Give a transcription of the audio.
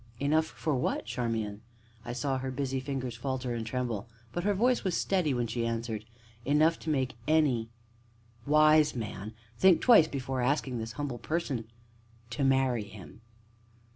"Enough for what, Charmian?" I saw her busy fingers falter and tremble, but her voice was steady when she answered: "Enough to make any wise man think twice before asking this Humble Person to to marry him."